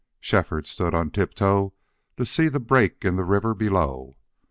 Shefford stood on tiptoe to see the break in the river below.